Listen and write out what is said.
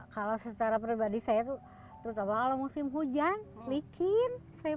kalau secara pribadi saya tuh terutama kalau musim hujan licin